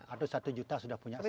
atau satu juta sudah punya satu ini